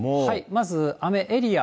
まず、雨エリア。